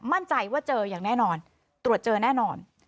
มั่นใจว่าเจออย่างแน่นอนตรวจเจอแน่นอน